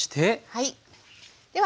はい。